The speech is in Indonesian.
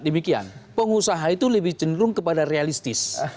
demikian pengusaha itu lebih cenderung kepada realistis